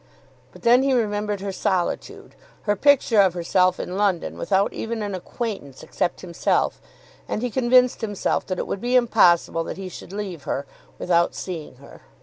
But then he remembered her solitude, her picture of herself in London without even an acquaintance except himself, and he convinced himself that it would be impossible that he should leave her without seeing her.